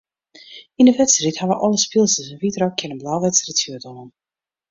Yn 'e wedstriid hawwe alle spylsters in wyt rokje en in blau wedstriidshirt oan.